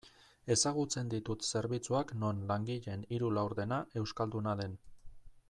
Ezagutzen ditut zerbitzuak non langileen hiru laurdena euskalduna den.